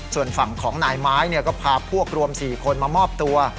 ส่วนฝั่งของนายไม้ก็พาพวกรวม๔คนมามอบตัว